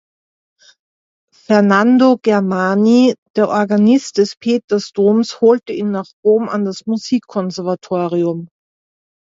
Fernando Germani, der Organist des Petersdoms holte ihn nach Rom an das Musikkonservatorium.